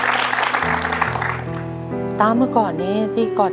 ปิดเท่าไหร่ก็ได้ลงท้ายด้วย๐เนาะ